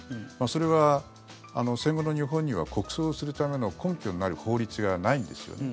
それは、戦後の日本には国葬をするための根拠になる法律がないんですよね。